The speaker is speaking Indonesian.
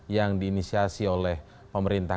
yang di inisiasi oleh pemerintah